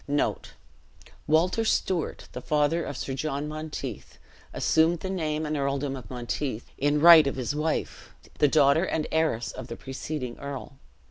Walter Stewart, the father of Sir John Monteith, assumed the name and earldom of Monteith in right of his wife, the daughter and heiress of the preceding earl.